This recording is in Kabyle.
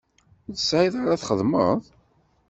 Ur tesɛiḍ ara txedmeḍ?